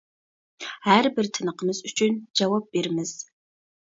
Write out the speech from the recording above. ھەر بىر تىنىقىمىز ئۈچۈن جاۋاب بېرىمىز.